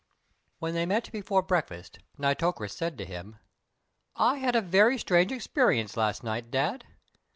When they met before breakfast Nitocris said to him: "I had a very strange experience last night, Dad.